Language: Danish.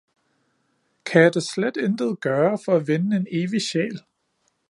Kan jeg da slet intet gøre, for at vinde en evig sjæl!